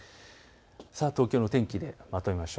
東京の天気でまとめましょう。